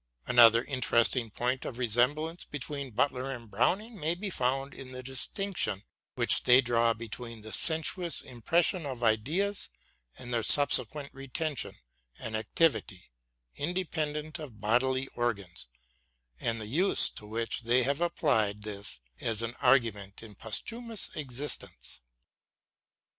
Another interesting point of resemblance be tween Butler and Browning may be found in the distinction which they draw between the sensuous impression of ideas and their subsequent retention and activity independent of bodily organs, and the use to which they have applied this as an argument for posthumous existence.